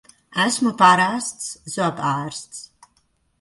Esmu parasts zobārsts!